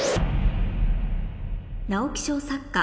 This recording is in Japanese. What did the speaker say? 直木賞作家